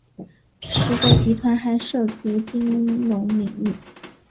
实德集团还涉足金融领域。